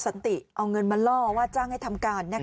สันติเอาเงินมาล่อว่าจ้างให้ทำการ